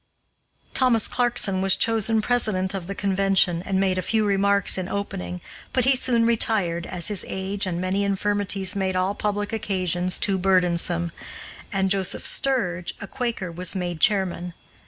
Thomas Clarkson was chosen president of the convention and made a few remarks in opening, but he soon retired, as his age and many infirmities made all public occasions too burdensome, and Joseph Sturge, a Quaker, was made chairman.